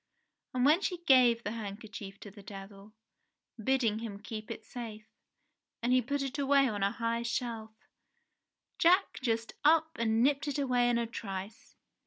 And when she gave the hand kerchief to the Devil, bidding him keep it safe, and he put it away on a high shelf, Jack just up and nipped it away in a trice